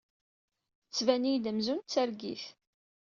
Tettban-iyi-d amzun d targit.